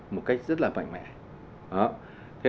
một cách rất là mạnh mẽ